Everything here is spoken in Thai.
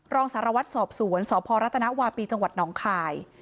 รองสารวัตรสอบสวนสพรัฐนาวาปีจังหวัดหนองคาย